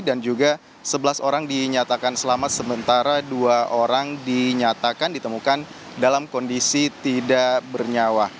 dan juga sebelas orang dinyatakan selamat sementara dua orang dinyatakan ditemukan dalam kondisi tidak bernyawa